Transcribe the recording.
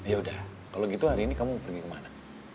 yaudah kalau gitu hari ini kamu mau pergi kemana